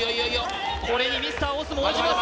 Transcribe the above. これにミスター押忍も応じます